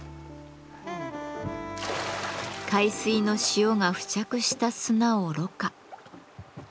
海水の塩が付着した砂を濾過。